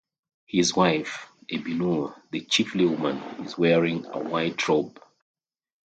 His wife, Ebinua, the chiefly woman, is wearing a white robe.